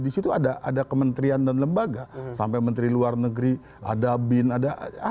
di situ ada kementerian dan lembaga sampai menteri luar negeri ada bin ada